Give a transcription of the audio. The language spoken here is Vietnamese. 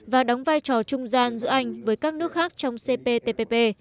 và đóng vai trò trung gian giữa anh với các nước khác trong cptpp